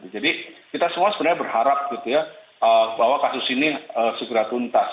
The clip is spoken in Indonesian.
jadi kita semua sebenarnya berharap bahwa kasus ini segera tuntas